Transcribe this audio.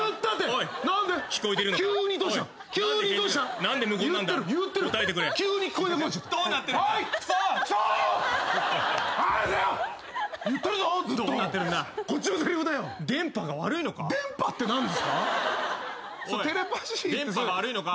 おい電波が悪いのか？